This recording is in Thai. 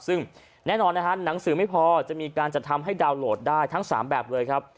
ซึ่งแน่นอนนะฮะหนังสือไม่พอจะมีการจัดทำให้ดาวน์โหลดได้ทั้ง๓แบบเลยครับ